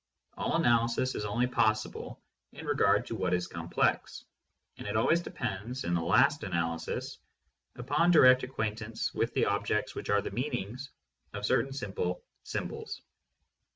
All analysis is only possible in regard to what is complex, and it always depends, in the last analysis, upon direct ac quaintance with the objects which are the meanings of cer tain simple symbols.